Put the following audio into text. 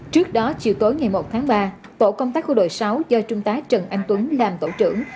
trước đó chiều tối ngày một tháng ba tổ công tác của đội sáu do trung tá trần anh tuấn làm tổ trưởng